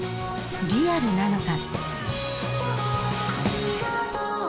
リアルなのか？